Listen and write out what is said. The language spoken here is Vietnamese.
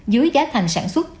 dưới giá thành sản xuất